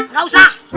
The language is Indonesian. nggak gak usah